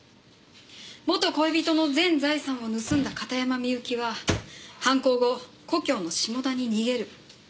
元恋人の全財産を盗んだ片山みゆきは犯行後故郷の下田に逃げる。